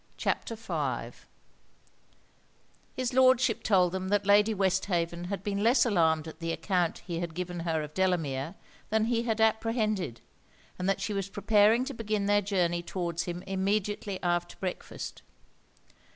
CHAPTER V His Lordship told them that Lady Westhaven had been less alarmed at the account he had given her of Delamere than he had apprehended; and that she was preparing to begin their journey towards him immediately after breakfast.